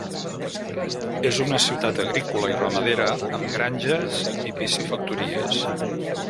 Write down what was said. És una ciutat agrícola i ramadera amb granges i piscifactories.